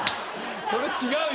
それ違うよ。